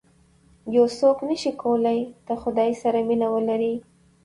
یو څوک نه شي کولای د خدای سره مینه ولري.